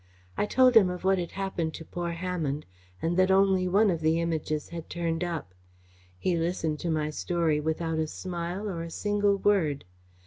I told him of what had happened to poor Hammonde and that only one of the Images had turned up. He listened to my story without a smile or a single word.